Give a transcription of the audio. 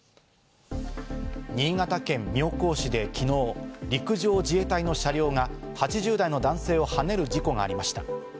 新潟県妙高市で昨日、陸上自衛隊の車両が８０代の男性をはねる事故がありました。